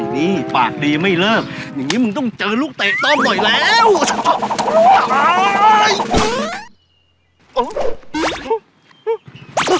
นี่ปากดีไม่เลิกอย่างนี้มึงต้องเจอลูกเตะต้มบ่อยแล้ว